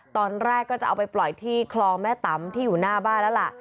ตอนแรกก็จะเอาไปปล่อยที่คลองแม่ตำที่อยู่หน้าบ้านแล้วล่ะ